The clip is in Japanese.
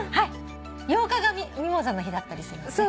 ８日がミモザの日だったりする。